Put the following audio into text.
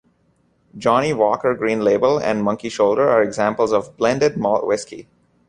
Johnnie Walker Green Label and Monkey Shoulder are examples of blended malt whisky.